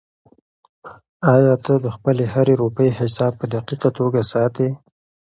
آیا ته د خپلې هرې روپۍ حساب په دقیقه توګه ساتې؟